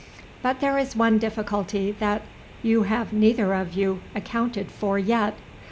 "But there is one difficulty that you have neither of you accounted for yet."